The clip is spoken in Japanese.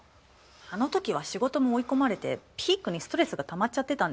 あの時は仕事も追い込まれてピークにストレスがたまっちゃってたんだよね。